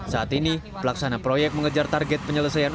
saat ini pelaksana proyek mengejar target penyelesaian